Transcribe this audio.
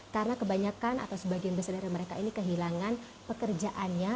karena kebanyakan atau sebagian besar dari mereka ini kehilangan pekerjaannya